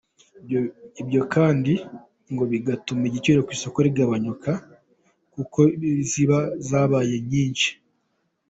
Ibyo kandi ngo bigatuma igiciro ku isoko kigabanyuka kuko ziba zabaye nyinshi.